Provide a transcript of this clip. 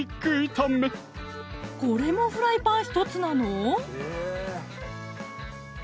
これもフライパンひとつなの？